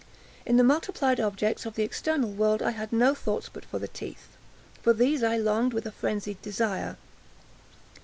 In the multiplied objects of the external world I had no thoughts but for the teeth. For these I longed with a phrenzied desire.